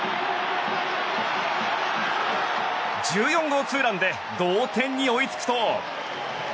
１４号ツーランで同点に追いつくと。